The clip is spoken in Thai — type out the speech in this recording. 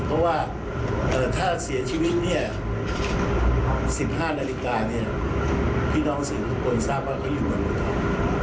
เพราะว่าถ้าเสียชีวิตเนี่ย๑๕นาฬิกาเนี่ยพี่น้องสื่อทุกคนทราบว่าเขาอยู่กันหมดแล้ว